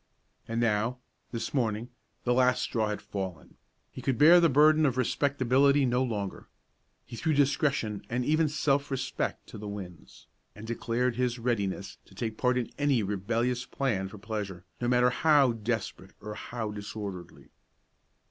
And now, this morning, the last straw had fallen; he could bear the burden of respectability no longer. He threw discretion and even self respect to the winds, and declared his readiness to take part in any rebellious plan for pleasure, no matter how desperate or how disorderly.